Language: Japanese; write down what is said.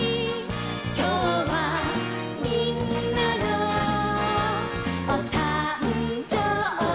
「きょうはみんなのおたんじょうび」